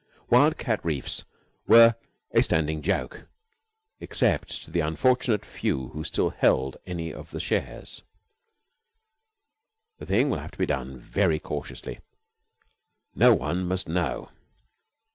Wildcat Reefs were a standing joke except to the unfortunate few who still held any of the shares. "The thing will have to be done very cautiously. No one must know.